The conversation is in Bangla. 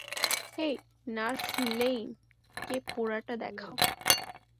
হেই, - নার্স লেইন কে পোড়াটা দেখাও।